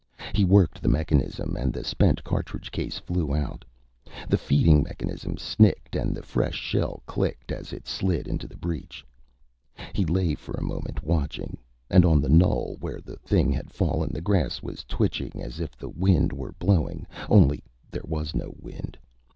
He worked the mechanism and the spent cartridge case flew out. The feeding mechanism snicked and the fresh shell clicked as it slid into the breech. He lay for a moment, watching. And on the knoll where the thing had fallen, the grass was twitching as if the wind were blowing, only there was no wind.